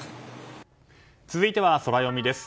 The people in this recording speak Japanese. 続いては、ソラよみです。